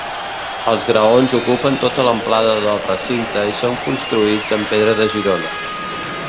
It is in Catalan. Els graons ocupen tota l'amplada del recinte i són construïts amb pedra de Girona.